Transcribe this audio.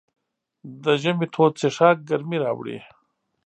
د ژمي تود څښاک ګرمۍ راوړي.